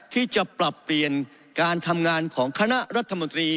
ที่จะปรับเปลี่ยนการทำงานของคณะรัฐมนตรี